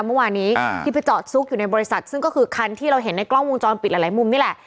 เมื่อวานี้ที่ไปจอดซุกอยู่ในบริษัทซึ่งก็คือคันที่เราเห็นในกล้องวงจรปิดหลายมุมนี่แหละ